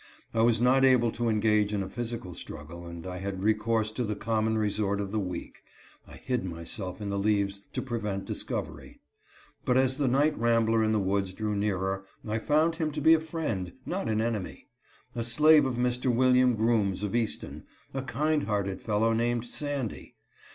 I was not able to engage in a physical struggle, and I had recourse to the common resort of the weak. I hid myself in the leaves to prevent discovery. But as the night rambler in the woods drew nearer I found him to be a friend, not an enemy ; a slave of Mr. William Groomes of Easton, a kind hearted fellow named "Sandy."